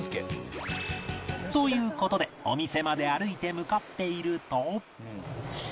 という事でお店まで歩いて向かっていると